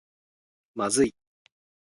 まずい